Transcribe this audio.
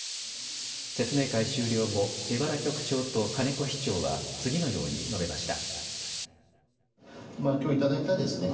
説明会終了後、江原局長と金子市長は次のように述べました。